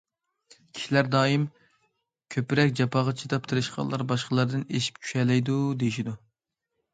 كىشىلەر دائىم: كۆپرەك جاپاغا چىداپ تىرىشقانلار باشقىلاردىن ئېشىپ چۈشەلەيدۇ، دېيىشىدۇ.